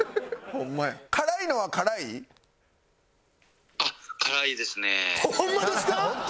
ホンマですか？